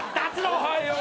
おはよう。